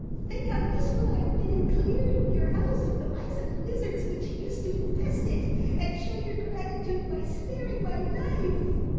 Think how useful I have been in clearing your house of the mice and lizards which used to infest it, and show your gratitude by sparing my life."